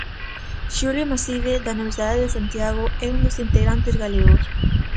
Xulio Maside, da Universidade de Santiago, é un dos integrantes galegos.